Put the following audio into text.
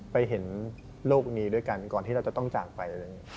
ไปเห็นโลกนี้ด้วยกันก่อนที่เราจะต้องจ่างไป